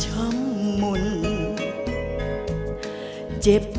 รูปสุดงามสมสังคมเครื่องใครแต่หน้าเสียดายใจทดสกัน